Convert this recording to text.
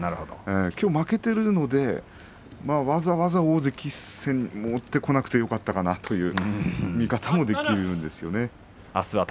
負けているのでわざわざ大関戦を持ってこなくてよかったかなという言い方もできるんですよね。